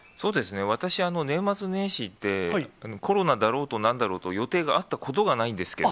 私、年末年始って、コロナだろうとなんだろうと、予定があったことがないんですけど。